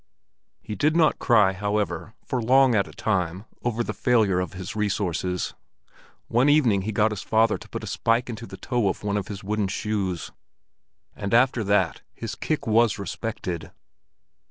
He did not cry, however, for long at a time over the failure of his resources. One evening he got his father to put a spike into the toe of one of his wooden shoes, and after that his kick was respected.